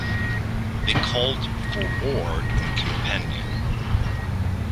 They called for war in Campania.